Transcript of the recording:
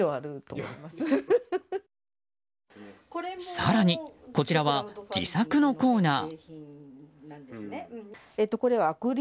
更にこちらは自作のコーナー。